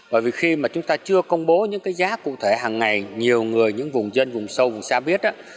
bởi vì khi mà chúng ta chưa công bố những cái giá cụ thể hàng ngày nhiều người những vùng dân vùng sâu vùng xa biết đó